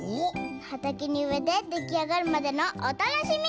はたけにうえてできあがるまでのおたのしみ！